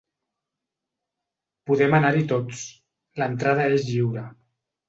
Podem anar-hi tots: l'entrada és lliure.